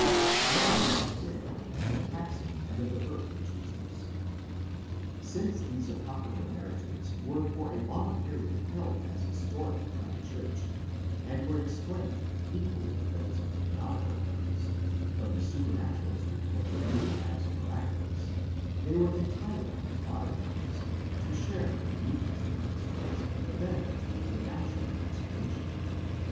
Then follows the account of the taxing and of the birth of Jesus.1? Since these apocryphal narratives were for a long period held as historical by the church, and were explained, equally with those of the canonical accounts, from the supranaturalistic point of view as miraculous, they were entitled in modern times to share with the New Testament histories the benefit of the natural explanation.